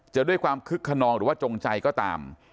จะด้วยความคึกขนองหรือว่าจงใจก็ตาม